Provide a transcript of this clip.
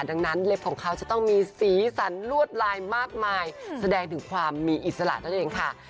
ดังนั้นเล็บของเขาจะต้องมีสีสันลวดลายมากมายแสดงถึงความมีอิสระนั่นเองค่ะ